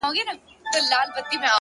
اخلاص د کردار ارزښت څرګندوي’